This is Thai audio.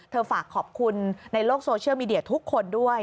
ฝากขอบคุณในโลกโซเชียลมีเดียทุกคนด้วย